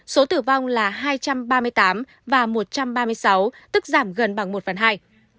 số tử vong là hai trăm ba mươi tám và một trăm ba mươi sáu tức giảm gần bằng một phần hai